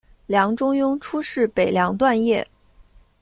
梁中庸初仕北凉段业。